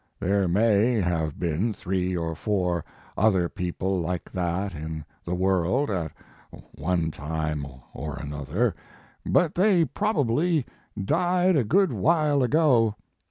There may have been three or four other people like that in the world at one time or another, but they probably died a good while ago.